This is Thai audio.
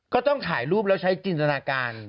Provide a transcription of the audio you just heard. ก็ต้องถ่ายรูปแล้วใช้จินตนาการ